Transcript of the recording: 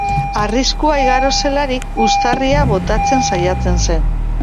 Arriskua igaro zelarik, uztarria botatzen saiatzen zen.